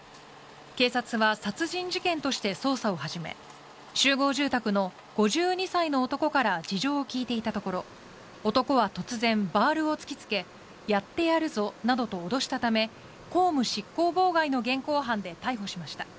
警察は殺人事件として捜査を始め集合住宅の５２歳の男から事情を聴いていたところ男は突然、バールを突きつけやってやるぞなど脅したため公務執行妨害の現行犯で逮捕しました。